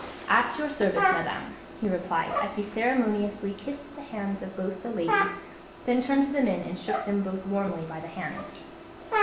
"At your service, Madame," he replied, as he ceremoniously kissed the hands of both the ladies, then turned to the men and shook them both warmly by the hand.